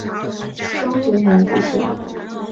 生卒年不详。